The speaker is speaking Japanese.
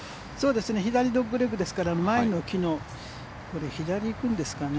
左ドッグレッグですから前の木の左に行くんですかね。